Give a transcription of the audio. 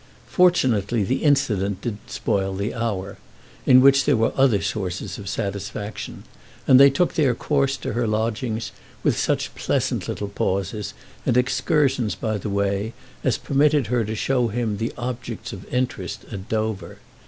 Fortunately the incident didn't spoil the hour, in which there were other sources of satisfaction, and they took their course to her lodgings with such pleasant little pauses and excursions by the way as permitted her to show him the objects of interest at Dover.